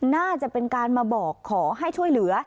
น่าจะเป็นการมาบอกขอให้ช่วยเหลือ